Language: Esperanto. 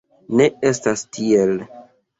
Ne estas tiel.